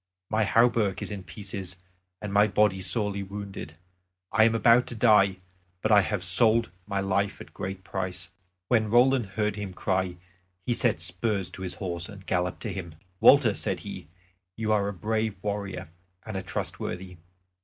My hauberk is in pieces, and my body sorely wounded. I am about to die; but I have sold my life at a great price." When Roland heard him cry he set spurs to his horse and galloped to him. "Walter," said he, "you are a brave warrior and a trustworthy.